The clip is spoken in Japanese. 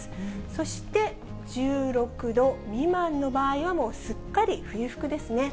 そして、１６度未満の場合はもうすっかり冬服ですね。